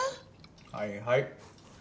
はいはい。